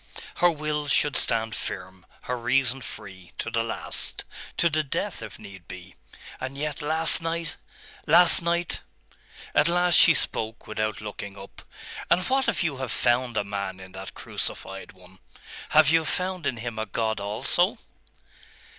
Her will should stand firm, her reason free, to the last to the death if need be.... And yet last night! last night! At last she spoke, without looking up. 'And what if you have found a man in that crucified one? Have you found in him a God also?